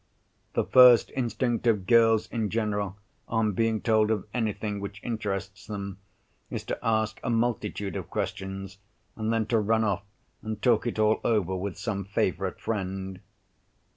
The first instinct of girls in general, on being told of anything which interests them, is to ask a multitude of questions, and then to run off, and talk it all over with some favourite friend.